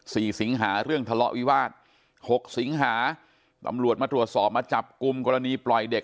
สิงหาเรื่องทะเลาะวิวาสหกสิงหาตำรวจมาตรวจสอบมาจับกลุ่มกรณีปล่อยเด็ก